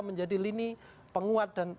menjadi lini penguat dan